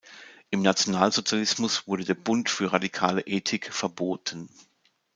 Im Nationalsozialismus wurde der "Bund für radikale Ethik" verboten.